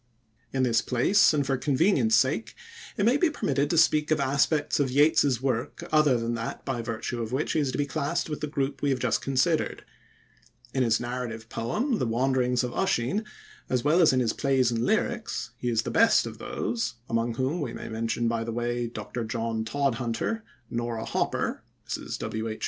In this place, and for convenience sake, it may be permitted to speak of aspects of Yeats's work other than that by virtue of which he is to be classed with the group we have just considered. In his narrative poem, "The Wanderings of Usheen", as well as in his plays and lyrics, he is of the best of those among them we may mention by the way Dr. John Todhunter, Nora Hopper (Mrs. W.H.